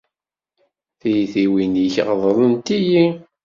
Tiyitwin-ik ɣeḍlent-iyi.